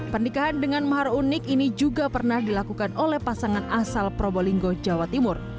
pernikahan dengan mahar unik ini juga pernah dilakukan oleh pasangan asal probolinggo jawa timur